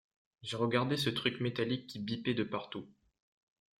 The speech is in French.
J’ai regardé ce truc métallique qui bipait de partout.